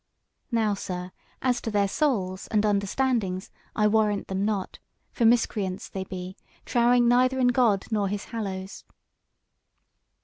Now, sir, as to their souls and understandings I warrant them not; for miscreants they be, trowing neither in God nor his hallows."